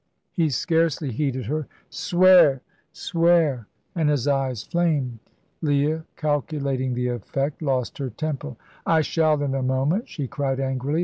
He scarcely heeded her. "Swear! Swear!" and his eyes flamed. Leah, calculating the effect, lost her temper. "I shall in a moment," she cried angrily.